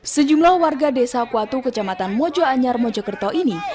sejumlah warga desa kuatu kecamatan mojoanyar mojokerto ini